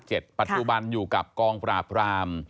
ปัจจุบันอยู่กับกองปราบราม